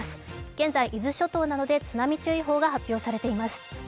現在、伊豆諸島などで津波注意報が発表されています。